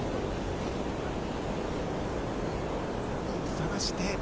探して。